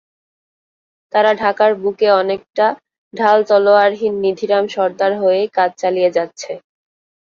তারা ঢাকার বুকে অনেকটা ঢাল-তলোয়ারহীন নিধিরাম সর্দার হয়েই কাজ চালিয়ে যাচ্ছে।